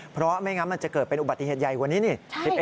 เพราะไม่งั้นมันจะเกิดเป็นอุบัติเหตุใหญ่กว่านี้นี่